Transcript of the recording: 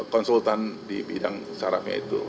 konsultan di bidang sarafnya itu